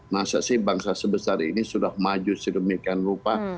masa sih bangsa sebesar ini sudah maju sedemikian rupa